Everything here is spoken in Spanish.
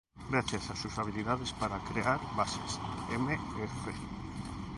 Gracias a sus habilidades para crear bases, Mr.